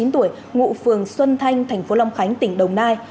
bốn mươi chín tuổi ngụ phường xuân thanh tp long khánh tỉnh đồng nai